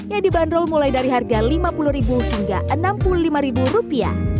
yang dibanderol mulai dari harga rp lima puluh hingga rp enam puluh lima